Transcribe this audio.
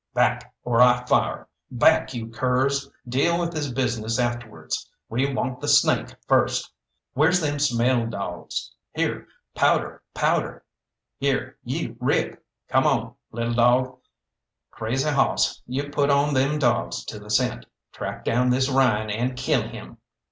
"Back, or I fire! Back, you curs! Deal with this business afterwards we want the snake first! Whar's them smell dawgs? Here, Powder! Powder! Here, you Rip; come on, lil' dawg! Crazy Hoss, you put on them dawgs to the scent, track down this Ryan, and kill him.